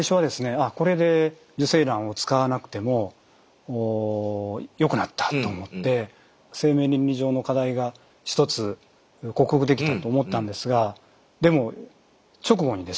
あこれで受精卵を使わなくてもよくなったと思って生命倫理上の課題が一つ克服できたと思ったんですがでも直後にですね